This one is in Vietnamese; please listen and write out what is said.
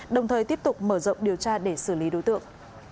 đồng thời tiếp tục mở rộng điều tra để xử lý đối tượng